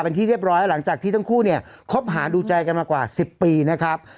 เป็นที่เรียบร้อยหลังจากที่ทั้งคู่เนี่ยคบหาดูใจกันมากว่า๑๐ปีนะครับ